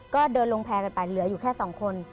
ก็เดินลงแพร่กันไปเหลืออยู่แค่๒คน